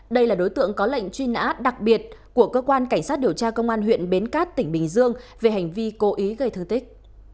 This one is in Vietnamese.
đây là đối tượng có lệnh truy nã đặc biệt của cơ quan cảnh sát điều tra công an huyện bến cát tỉnh bình dương về hành vi cố ý gây thương tích